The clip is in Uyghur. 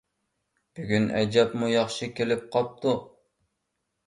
بۈگۈن ئەجەبمۇ ياخشى كېلىپ قاپتۇ.